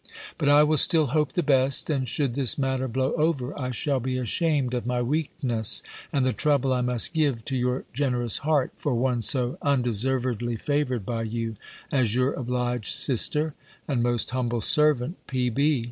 But I will still hope the best, and should this matter blow over, I shall be ashamed of my weakness, and the trouble I must give to your generous heart, for one so undeservedly favoured by you, as your obliged sister, and most humble servant, P.